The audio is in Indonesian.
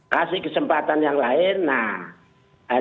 kasih kesempatan yang lain